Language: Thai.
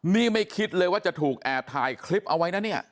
นี่ไม่คิดเลยว่าจะถูกแอบถ่ายคลิปเอาไว้นะเนี่ย